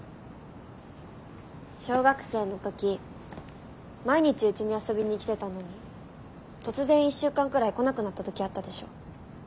小学生の時毎日うちに遊びに来てたのに突然１週間くらい来なくなった時あったでしょ。